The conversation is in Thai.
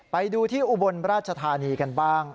ไปดูที่อุบลราชธานีกันบ้าง